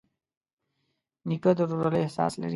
نیکه د ورورولۍ احساس لري.